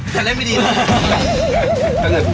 แต่อย่างงี้